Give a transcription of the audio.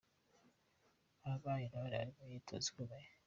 Mamba Intore ari mu myitozo ikomeye .